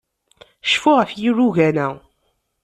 Cfu ɣef yilugan-a.